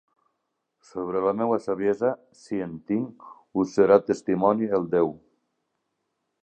Sobre la meua saviesa, si en tinc, us serà testimoni el déu.